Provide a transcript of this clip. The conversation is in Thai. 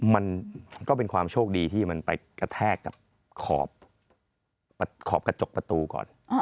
มันก็เป็นความโชคดีที่มันไปกระแทกกับขอบกระจกประตูก่อน